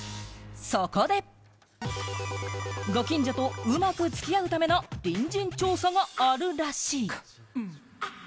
そこで、ご近所とうまく付き合うための隣人調査があるらしい。